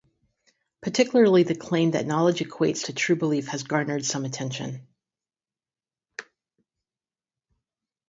Particularly the claim that knowledge equates to true belief has garnered some attention.